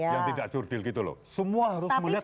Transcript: yang tidak jurdil gitu loh semua harus melihat